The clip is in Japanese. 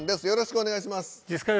よろしくお願いします。